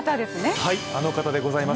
はい、あの方でございます。